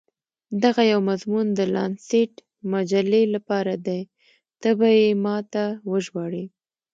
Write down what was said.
دغه یو مضمون د لانسیټ مجلې لپاره دی، ته به يې ما ته وژباړې.